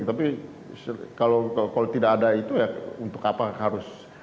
tapi kalau tidak ada itu ya untuk apa harus